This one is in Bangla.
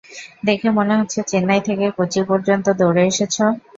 দেখে মনে হচ্ছে চেন্নাই থেকে কোচি পর্যন্ত দৌড়ে এসেছো।